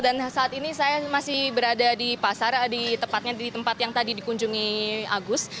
dan saat ini saya masih berada di pasar di tempat yang tadi dikunjungi agus